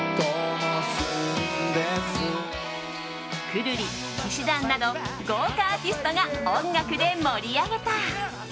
くるり、氣志團など豪華アーティストが音楽で盛り上げた。